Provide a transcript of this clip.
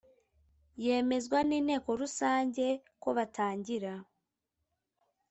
yemezwa n inteko rusange kobatangira